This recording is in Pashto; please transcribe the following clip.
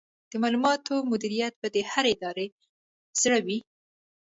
د معلوماتو مدیریت به د هرې ادارې زړه وي.